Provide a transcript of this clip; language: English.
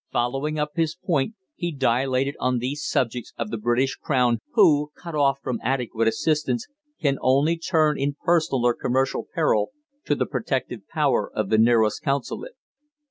Following up his point, he dilated on these subjects of the British crown who, cut off from adequate assistance, can only turn in personal or commercial peril to the protective power of the nearest consulate.